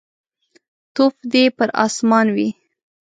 توف دي پر اسمان وي.